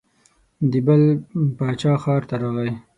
د بل باچا ښار ته راغی.